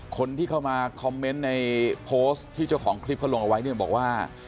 คนที่เข้ามาคอมเมนต์ในโพสต์ที่เจ้าของคลิปเขาลงเอาไว้เนี่ยบอกว่า